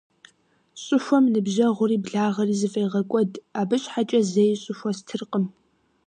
Щӏыхуэм ныбжьэгъури благъэри зэфӏегъэкӏуэд, абы щхьэкӏэ зэи щӏыхуэ стыркъым.